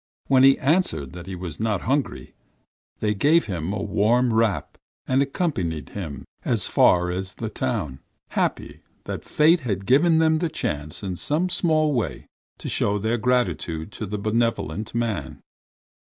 When he answered that he was not hungry, they gave him a warm wrap and accompanied him as far as the town, happy that fate had given them the chance in some small way to show their gratitude to the benevolent man.